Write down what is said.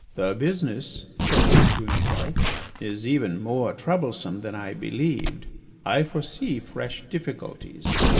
"The business," said he to himself, "is even more troublesome than I believed. I foresee fresh difficulties."